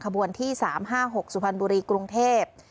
บวนที่๓๕๖สุพรรณบุรีกรุงเทพ